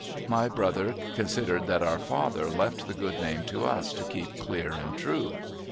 ' My brother considered that our father left the good name to us, to keep clear and true.'